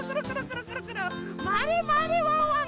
まわれまわれワンワン！